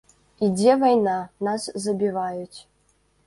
Ідзе вайна, нас забіваюць.